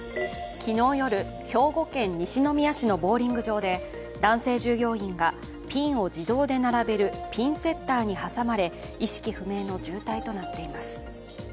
昨日夜、兵庫県西宮市のボウリング場で男性従業員がピンを自動で並べるピンセッターに挟まれ意識不明の重体となっています。